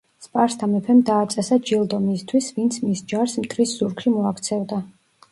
სპარსთა მეფემ დააწესა ჯილდო მისთვის ვინც მის ჯარს მტრის ზურგში მოაქცევდა.